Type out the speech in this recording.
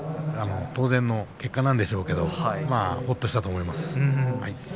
当然の結果なんでしょうけどほっとしたと思います。